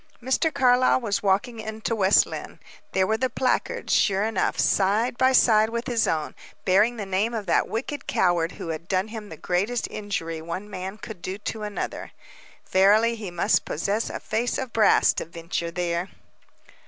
Mr. Carlyle was walking into West Lynne. There were the placards, sure enough, side by side with his own, bearing the name of that wicked coward who had done him the greatest injury one man can do to another. Verily, he must possess a face of brass to venture there.